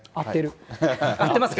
合ってますか？